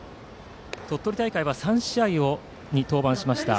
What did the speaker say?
鳥取大会は３試合に登板しました。